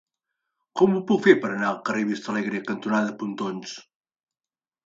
Com ho puc fer per anar al carrer Vistalegre cantonada Pontons?